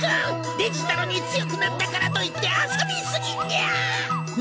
デジタルに強くなったからといって遊び過ぎにゃ！